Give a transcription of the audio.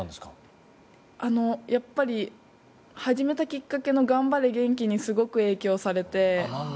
やっぱり始めたきっかけの「がんばれ元気」にすごく影響されて。